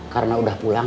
karena udah pulang